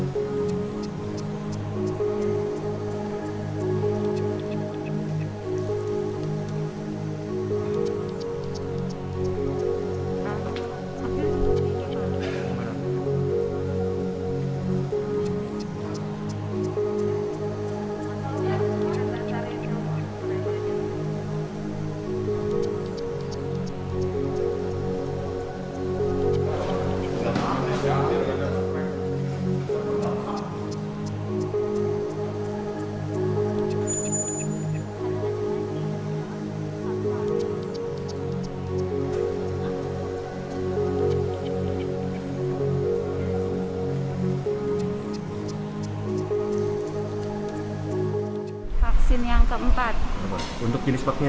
sampai jumpa di video selanjutnya